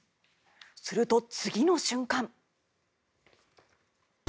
すると、次の瞬間。